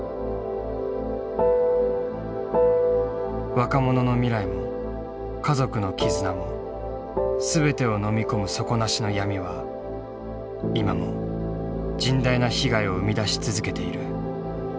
若者の未来も家族の絆も全てをのみ込む底なしの闇は今も甚大な被害を生み出し続けている。